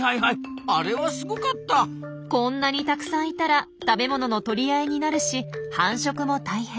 こんなにたくさんいたら食べ物の取り合いになるし繁殖も大変。